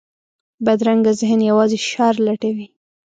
بدرنګه ذهن یوازې شر لټوي